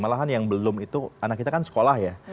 malahan yang belum itu anak kita kan sekolah ya